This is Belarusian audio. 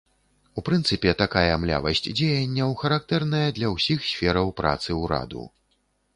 У прынцыпе, такая млявасць дзеянняў характэрная для ўсіх сфераў працы ўраду.